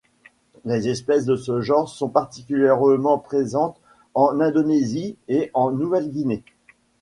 Les espèces de ce genre sont particulièrement présentes en Indonésie et en Nouvelle-Guinée.